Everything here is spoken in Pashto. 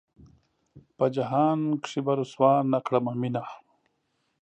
پۀ جهان کښې به رسوا نۀ کړمه مينه